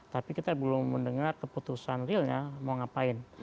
tapi kita belum mendengar keputusan realnya mau ngapain